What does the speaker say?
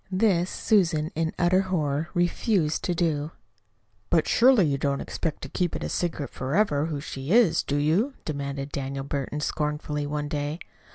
This, Susan, in utter horror, refused to do. "But surely you don't expect to keep it secret forever who she is, do you?" demanded Daniel Burton scornfully one day.